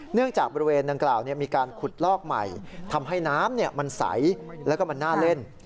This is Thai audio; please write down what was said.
เนื่องจากบริเวณดังกล่าวมีการขุดลอกใหม่ทำให้น้ำมันใสและน่าเล่น